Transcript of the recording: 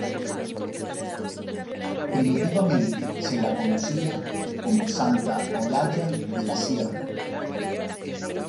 Primitivamente se la conocía como Santa Olalla de la Sierra.